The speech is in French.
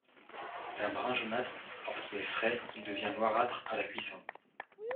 D'un brun jaunâtre lorsqu'il est frais, il devient noirâtre à la cuisson.